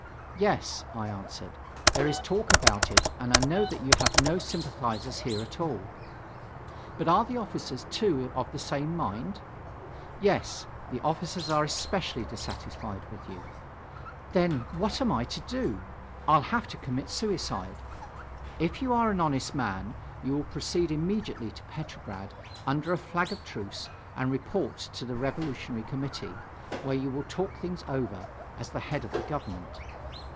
"Yes," I answered, "there is talk about it, and I know that you have no sympathizers here at all." "But are the officers, too, of the same mind?" "Yes, the officers are especially dissatisfied with you." "Then, what am I to do? I'll have to commit suicide." "If you are an honest man, you will proceed immediately to Petrograd under a flag of truce and report to the Revolutionary Committee, where you will talk things over, as the head of the Government."